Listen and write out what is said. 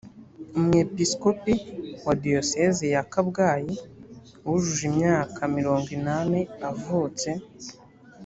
umwepiskopi wa diyosezi ya kabgayi wujuje imyaka imyaka mirongo inani avutse